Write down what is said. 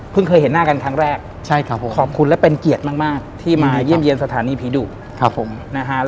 เคยเห็นหน้ากันครั้งแรกใช่ครับผมขอบคุณและเป็นเกียรติมากที่มาเยี่ยมเยี่ยมสถานีผีดุครับผมนะฮะ